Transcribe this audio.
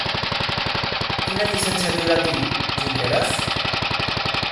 Quina llicenciatura té, Junqueras?